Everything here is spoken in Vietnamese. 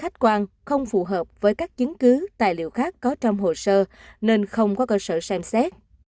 khách quan không phù hợp với các chứng cứ tài liệu khác có trong hồ sơ nên không có cơ sở xem xét